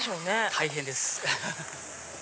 大変です。